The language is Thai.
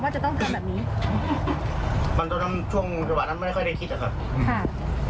ว่าจะต้องทำแบบนี้ตอนนั้นช่วงเวลาแบบนั้นไม่ได้ค่อยได้คิดอะครับ